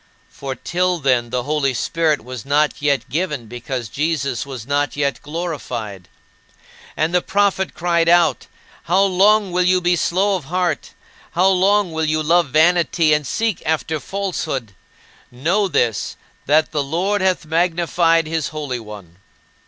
For till then "the Holy Spirit was not yet given, because Jesus was not yet glorified." And the prophet cried out: "How long will you be slow of heart? How long will you love vanity, and seek after falsehood? Know this, that the Lord hath magnified his Holy One."